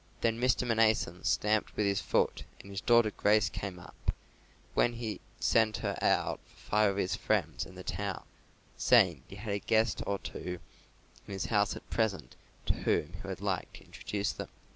Then Mr. Mnason stamped with his foot and his daughter Grace came up, when he sent her out for five of his friends in the town, saying that he had a guest or two in his house at present to whom he would like to introduce them.